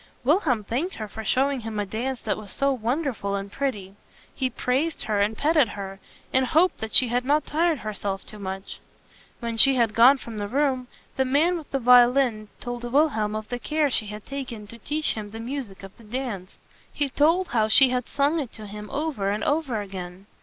Wilhelm thanked her for showing him a dance that was so wonderful and pretty. He praised her, petted her, and hoped that she had not tired herself too much. When she had gone from the room, the man with the violin told Wilhelm of the care she had taken to teach him the music of the dance. He told how she had sung it to him over and over again.